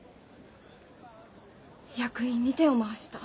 役員に手を回した。